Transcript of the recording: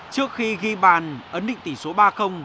trước khi ghi bàn ấn định tỷ số ba